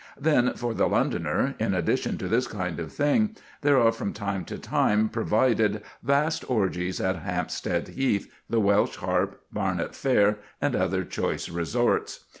Then, for the Londoner, in addition to this kind of thing, there are from time to time provided vast orgies at Hampstead Heath, the Welsh Harp, Barnet Fair, and other choice resorts.